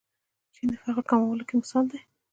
چین د فقر کمولو کې مثال دی.